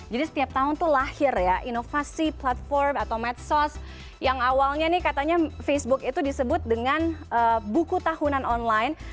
jadi setiap tahun tuh lahir ya inovasi platform atau medsos yang awalnya nih katanya facebook itu disebut dengan buku tahunan online